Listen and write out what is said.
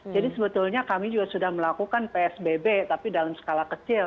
jadi sebetulnya kami juga sudah melakukan psbb tapi dalam skala kecil